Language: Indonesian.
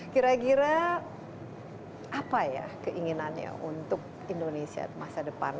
kira kira apa ya keinginannya untuk indonesia masa depan